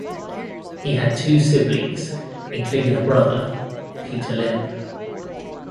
He had two siblings, including a brother, Peter Lim.